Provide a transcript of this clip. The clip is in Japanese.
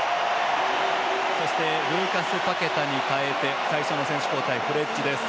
そしてルーカス・パケタに代えて最初の選手交代、フレッジです。